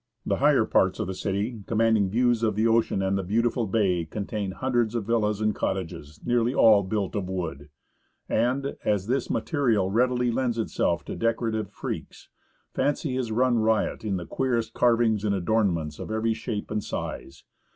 The higher parts of the city, commanding views of tlie ocean and the beautiful bay, contain hundreds of villas and cottages, nearly all built of wood. And, as this material readily lends itself to decorative freaks, fancy has run riot in the queerest carvings and adornments of every shape and size.